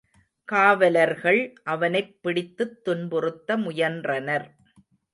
காவலர்கள் அவனைப் பிடித்துத் துன்புறுத்த முயன்றனர்.